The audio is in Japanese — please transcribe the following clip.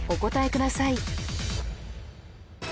ください